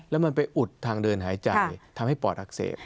แล้วมันไปอุดทางเดินหายใจทำให้ปอดอักเสบ